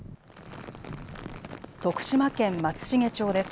徳島県松茂町です。